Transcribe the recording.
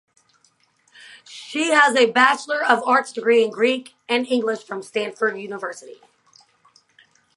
She has a bachelor of arts degree in Greek and English from Stanford University.